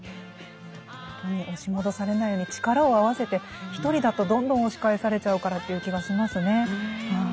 押し戻されないように力を合わせて一人だとどんどん押し返されちゃうからという気がしますね。